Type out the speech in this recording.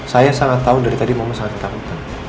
saya sangat tahu dari tadi mama sangat takut